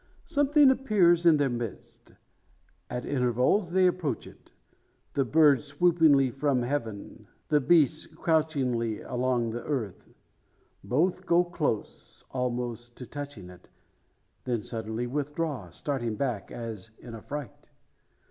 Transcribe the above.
Something appears in their midst. At intervals they approach it: the birds swoopingly from heaven, the beasts crouchingly along the earth. Both go close, almost to touching it; then suddenly withdraw, starting back as in affright!